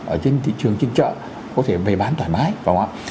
ở trên thị trường trên chợ có thể bày bán thoải mái đúng không ạ